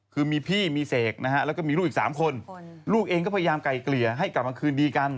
คือมีพี่มีเสกนะฮะแล้วก็มีลูกอีก๓คนลูกเองก็พยายามไก่เกลี่ยให้กลับมาคืนดีกัน